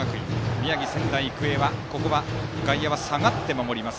宮城・仙台育英はここは外野は下がって守ります。